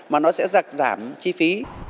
mà nó sẽ giảm chi phí